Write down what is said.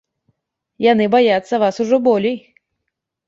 Яны баяцца вас ужо болей.